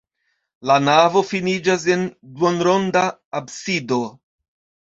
La navo finiĝas en duonronda absido.